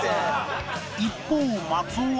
一方松尾は